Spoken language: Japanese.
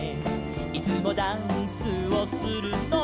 「いつもダンスをするのは」